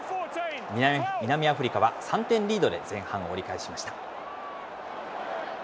南アフリカは３点リードで前半を折り返しました。